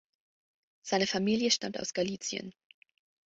Seine Familie stammt aus Galicien.